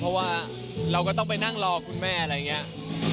เพราะว่าเราก็ต้องไปนั่งรอคุณแม่อะไรอย่างนี้